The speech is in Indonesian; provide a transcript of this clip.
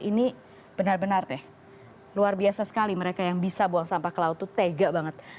ini benar benar deh luar biasa sekali mereka yang bisa buang sampah ke laut itu tega banget